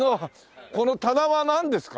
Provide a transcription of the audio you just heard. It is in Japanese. この棚はなんですか？